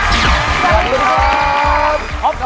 ขอบคุณครับ